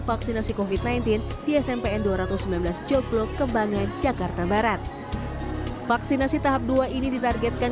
vaksinasi covid sembilan belas di smpn dua ratus sembilan belas joglo kembangan jakarta barat vaksinasi tahap dua ini ditargetkan